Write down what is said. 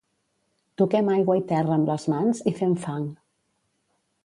Toquem aigua i terra amb les mans, i fem fang.